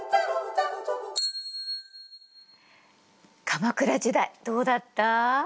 鎌倉時代どうだった？